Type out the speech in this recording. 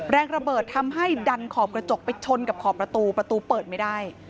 แรงระเบิดทำให้ดันขอบกระจกไปชนกับขอบประตูประตูเปิดไม่ได้